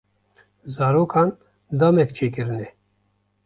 Zarokan damek çêkirine.